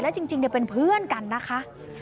จริงเป็นเพื่อนกันนะคะ